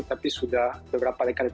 tapi sudah beberapa dekade